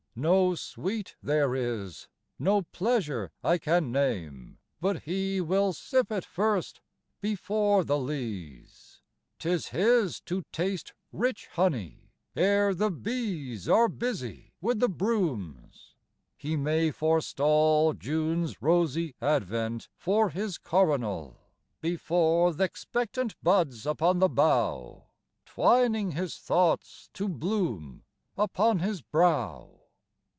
No sweet there is, no pleasure I can name, But he will sip it first before the lees. 'Tis his to taste rich honey, ere the bees Are busy with the brooms. He may forestall June's rosy advent for his coronal; Before th' expectant buds upon the bough, Twining his thoughts to bloom upon his brow.